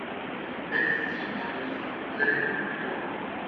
Mais ici, monsieur le ministre, vous allez beaucoup plus loin.